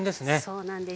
そうなんです。